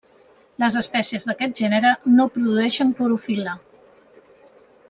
Les espècies d'aquest gènere no produeixen clorofil·la.